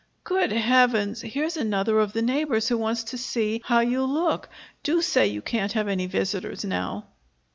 "Good Heavens! Here's another of the neighbors who wants to see how you look. Do say you can't have any visitors now."